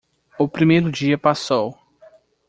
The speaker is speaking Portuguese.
O primeiro dia passou.